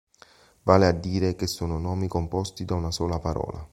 Vale a dire che sono nomi composti da una sola parola.